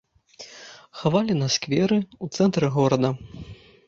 Хавалі на скверы, у цэнтры горада.